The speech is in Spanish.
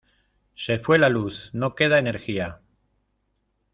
Se fue la luz, no queda energía.